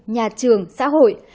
nhà trường xã hội